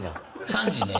３時ね。